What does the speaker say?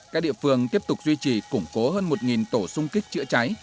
các địa phương tiếp tục duy trì củng cố hơn một tổ sung kích chữa cháy